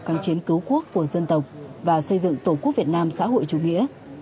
kháng chiến cứu quốc của dân tộc và xây dựng tổ quốc việt nam xã hội chủ nghĩa